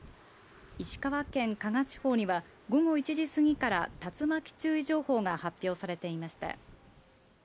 石川県加賀地方には、午後１時過ぎから竜巻注意情報が発表されていました。